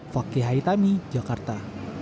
fakih haitami jakarta